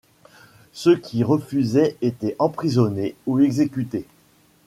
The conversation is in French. Ceux qui refusaient étaient emprisonnés ou exécutés.